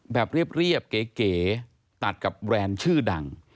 แบบเรียบเก๋ตัดกับแบรนด์ชื่อดัง